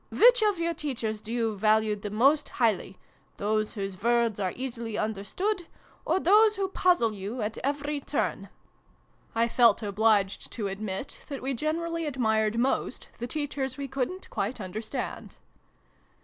Which of your teachers do you value the most highly, those whose words are easily understood, or those who puzzle you at every turn ?" 182 SYLVIE AND BRUNO CONCLUDED. I felt obliged to admit that we generally admired most the teachers we couldn't quite understand.